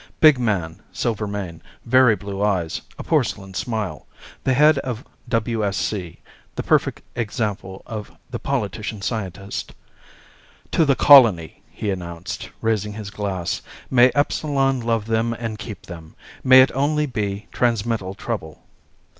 Big man, silver mane, very blue eyes, a porcelain smile. The head of WSC, the perfect example of the politician scientist. "To the colony," he announced, raising his glass. "May Epsilon love them and keep them. May it only be transmittal trouble."